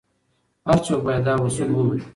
هر څوک باید دا اصول ومني.